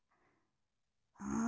うん？